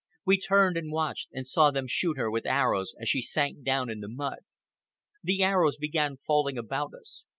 We turned and watched, and saw them shoot her with arrows as she sank down in the mud. The arrows began falling about us.